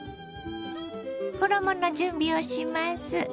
衣の準備をします。